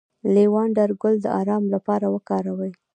د لیوانډر ګل د ارام لپاره وکاروئ